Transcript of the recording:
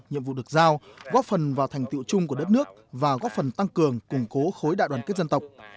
nhiệm vụ được giao góp phần vào thành tiệu chung của đất nước và góp phần tăng cường củng cố khối đại đoàn kết dân tộc